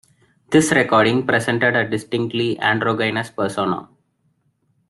This recording presented a distinctly androgynous persona.